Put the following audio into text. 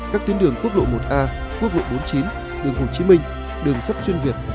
các tuyến đường quốc lộ một a quốc hội bốn mươi chín đường hồ chí minh đường sắt chuyên việt